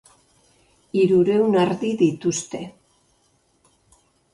Hirurehun ardi dituzte.